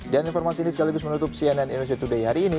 dan informasi ini sekaligus menutup cnn indonesia today hari ini